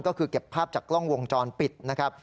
ก็คือเก็บภาพจากกล้องวงจรปิดนะครับ